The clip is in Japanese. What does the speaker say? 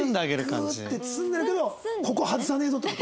グーッて包んでるけどここ外さねえぞって事？